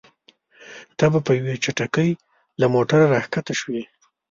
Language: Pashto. ته په یوې چټکۍ له موټره راښکته شوې.